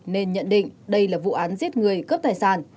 nên nhận định đây là vụ án giết người cướp tài sản